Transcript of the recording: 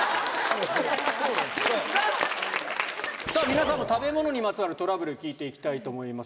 皆さんの食べ物にまつわるトラブル聞いて行きたいと思います。